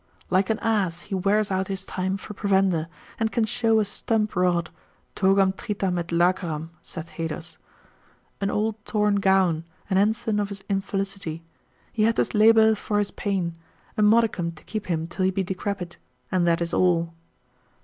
Like an ass, he wears out his time for provender, and can show a stump rod, togam tritam et laceram saith Haedus, an old torn gown, an ensign of his infelicity, he hath his labour for his pain, a modicum to keep him till he be decrepit, and that is all.